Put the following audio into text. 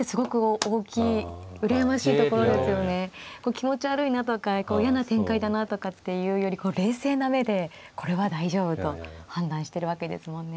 気持ち悪いなとか嫌な展開だなとかっていうより冷静な目でこれは大丈夫と判断してるわけですもんね。